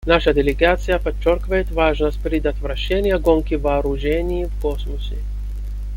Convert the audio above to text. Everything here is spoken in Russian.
Наша делегация подчеркивает важность предотвращения гонки вооружений в космосе.